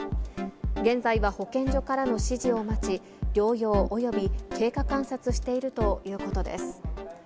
現在は保健所からの指示を待ち、療養、および経過観察しているということです。